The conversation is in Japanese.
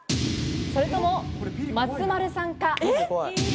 それとも松丸さんか？